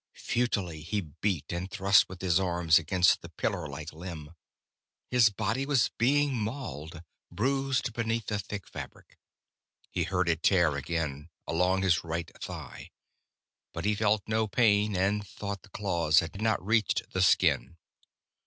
Futilely he beat and thrust with his arms against the pillarlike limb. His body was being mauled, bruised beneath the thick fabric. He heard it tear again, along his right thigh. But he felt no pain, and thought the claws had not reached the skin.